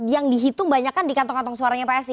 yang dihitung banyak kan di kantong kantong suaranya psi